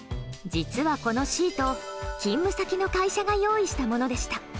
実はこのシート、勤務先の会社が用意したものでした。